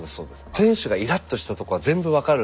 選手がイラッとしたとこは全部分かる。